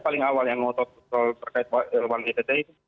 paling awal yang mengotot terkait ntt itu